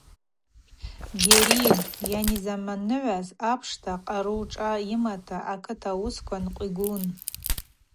Гьари йанизаманыгӏваз апшта къару шӏа йымата акыт уысква нкъвигун.